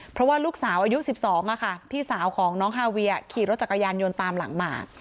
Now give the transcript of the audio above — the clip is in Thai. เพราะว่าลูกสาวอายุ๑๒พี่สาวของน้องฮาเวียขี่รถจักรยานยนต์ตามหลังมา